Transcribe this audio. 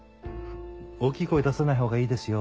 大きい声出さないほうがいいですよ。